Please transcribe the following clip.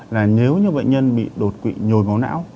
là nếu như bệnh nhân bị đột quỵ nhồi máu não